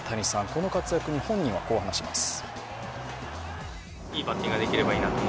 この活躍に本人はこう話します。